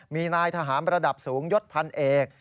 มีนายทหารระดับสูงยศพันเอก